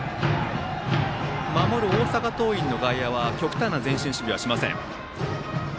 守る大阪桐蔭の外野は極端な前進守備はしません。